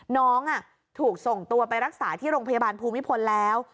น้องถูกส่งตัวไปรักษาที่โรงพยาบาลภูมิพลแล้ว